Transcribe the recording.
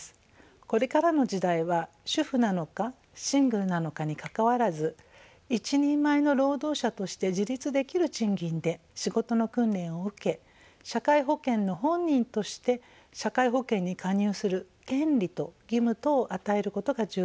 これからの時代は主婦なのかシングルなのかにかかわらず一人前の労働者として自立できる賃金で仕事の訓練を受け社会保険の本人として社会保険に加入する権利と義務とを与えることが重要です。